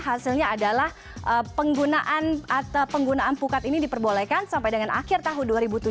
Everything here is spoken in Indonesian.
hasilnya adalah penggunaan atau penggunaan pukat ini diperbolehkan sampai dengan akhir tahun dua ribu tujuh belas